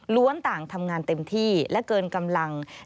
ต่างทำงานเต็มที่และเกินกำลัง